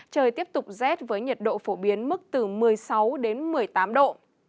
trời tiếp tục rét với nhiệt độ phổ biến mức từ một mươi sáu đến một mươi tám độ